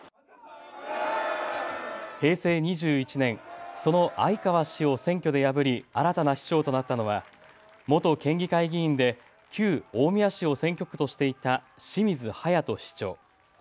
平成２１年、その相川氏を選挙でで破り新たな市長となったのは元県議会議員で旧大宮市を選挙区としていた清水勇人市長。